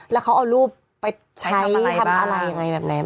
แล้วเขาเอารูปไปใช้ทำอะไรยังไงแบบไหน